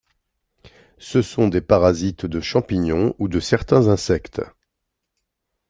Ce sont des parasites de champignons ou de certains insectes.